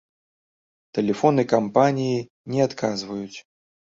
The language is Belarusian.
Тэлефоны кампаніі не адказваюць.